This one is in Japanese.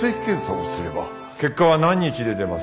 結果は何日で出ます？